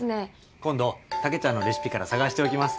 今度竹ちゃんのレシピから探しておきます。